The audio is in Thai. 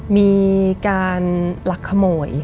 มีการหลักขโมย